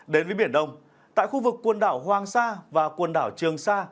đến với biển đông tại khu vực quần đảo hoàng sa và quần đảo trường sa